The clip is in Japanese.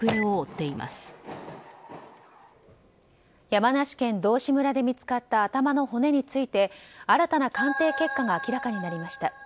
山梨県道志村で見つかった頭の骨について新たな鑑定結果が明らかになりました。